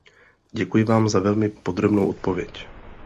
Děkuji vám za velmi podrobnou odpověď.